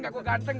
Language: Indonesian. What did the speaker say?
boleh juga bang